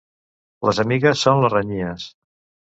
Les amigues són les renyines.